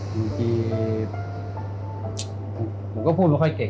บางทีผมก็พูดไม่ค่อยเก่ง